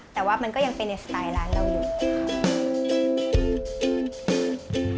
แต่ว่ามันก็ยังเป็นในสไตล์ร้านเราอยู่ค่ะ